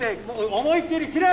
思いっきり切れ！